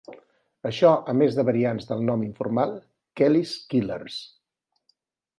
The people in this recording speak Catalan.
Això a més de variants del nom informal "Kelly's Killers".